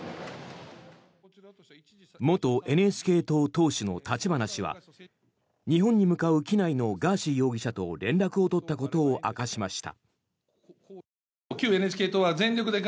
元ＮＨＫ党党首の立花氏は日本に向かう機内のガーシー容疑者と連絡を取ったことを明かしました。